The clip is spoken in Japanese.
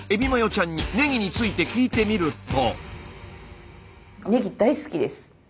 ちゃんにねぎについて聞いてみると。